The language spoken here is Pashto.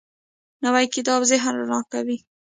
نوی کتاب ذهن رڼا کوي